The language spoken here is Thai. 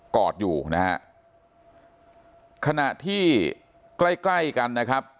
อดอยู่นะฮะขณะที่ใกล้ใกล้กันนะครับ